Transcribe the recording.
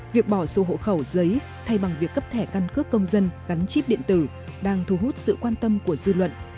việc bỏ số hộ khẩu giấy thay bằng việc cấp thẻ căn cước công dân gắn chip điện tử đang thu hút sự quan tâm của dư luận